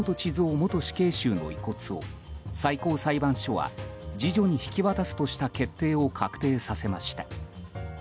元死刑囚の遺骨を最高裁判所は次女に引き渡すとした決定を確定させました。